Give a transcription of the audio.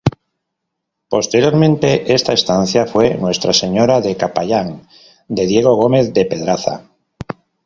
Posteriormente esa estancia fue "Nuestra Señora de Capayán" de Diego Gómez de Pedraza.